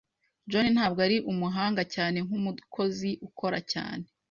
John ntabwo ari umuhanga cyane nkumukozi ukora cyane.